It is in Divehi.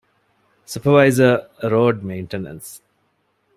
ސްޕަވައިޒަރ، ރޯޑް މެއިންޓެނަންސް